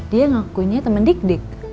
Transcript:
dia ngakuinnya temen dik dik